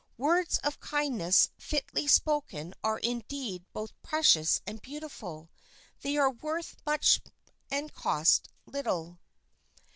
Words of kindness fitly spoken are indeed both precious and beautiful; they are worth much and cost little.